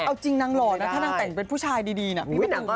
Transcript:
เอาจริงนางหล่อนะถ้านางแต่งเป็นผู้ชายดีนะพี่นาง